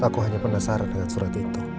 aku hanya penasaran dengan surat itu